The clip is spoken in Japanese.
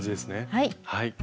はい。